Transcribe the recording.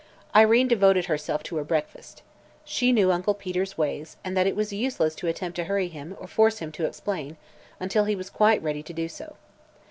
Irene devoted herself to her breakfast. She knew Uncle Peter's ways and that it was useless to attempt to hurry him or force him to explain, until he was quite ready to do so.